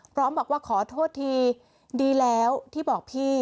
พร้อมบอกว่าขอโทษทีดีแล้วที่บอกพี่